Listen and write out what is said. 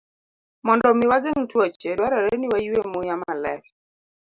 Mondo omi wageng' tuoche, dwarore ni waywe muya maler.